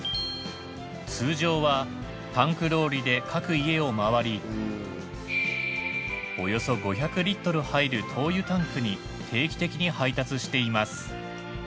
通常はタンクローリで各家を回りおよそ５００リットル入る灯油タンクに定期的に配達しています。